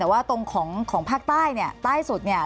แต่ว่าตรงของภาคใต้เนี่ยใต้สุดเนี่ย